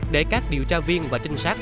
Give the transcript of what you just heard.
để các điều tra viên và trinh sát